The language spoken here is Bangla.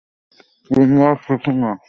তোমার চিঠি না।